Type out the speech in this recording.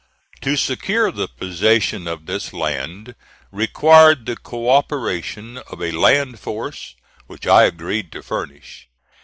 To secure the possession of this land required the co operation of a land force, which I agreed to furnish.